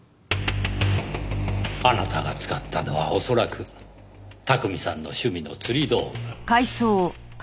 あなたが使ったのは恐らく巧さんの趣味の釣り道具。